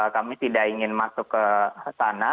kami tidak ingin masuk ke sana